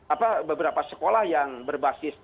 apa beberapa sekolah yang berbasis